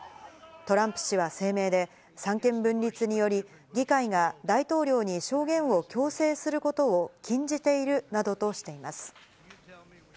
トランプ氏は声明で、三権分立により、議会が大統領に証言を強制することを禁じているなどとしています。